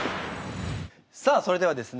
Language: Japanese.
さあそれではですね